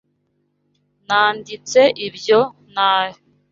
Nanditse ibyo nabi.